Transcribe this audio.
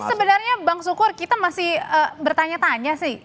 sebenarnya bang sukur kita masih bertanya tanya sih